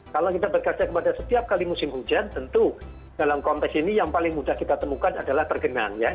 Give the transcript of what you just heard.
kalau kita berkaca kepada setiap kali musim hujan tentu dalam konteks ini yang paling mudah kita temukan adalah tergenang ya